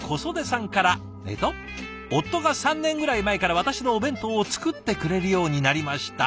えっと「夫が３年ぐらい前から私のお弁当を作ってくれるようになりました」。